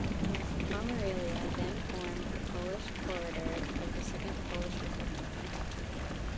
Pomerelia then formed the Polish Corridor of the Second Polish Republic.